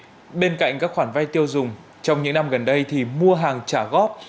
thưa quý vị bên cạnh các khoản vay tiêu dùng trong những năm gần đây thì mua hàng trả góp